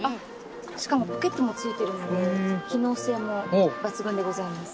しかもポケットもついてるので機能性も抜群でございます